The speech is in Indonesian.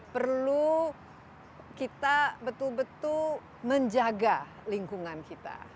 perlu kita betul betul menjaga lingkungan kita